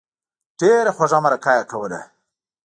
ډېره خوږه مرکه یې کوله.